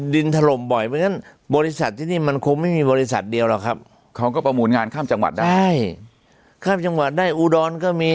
ถล่มบ่อยเพราะฉะนั้นบริษัทที่นี่มันคงไม่มีบริษัทเดียวหรอกครับเขาก็ประมูลงานข้ามจังหวัดได้ข้ามจังหวัดได้อุดรก็มี